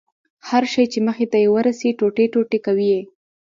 هر شى چې مخې ته يې ورسي ټوټې ټوټې کوي يې.